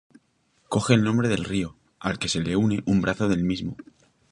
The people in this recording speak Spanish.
Coge el nombre del río, al que le une un brazo del mismo.